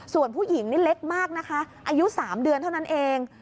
ส่วนผู้หญิงนี่เล็กมากนะคะอายุ๓เดือนเท่านั้นเอง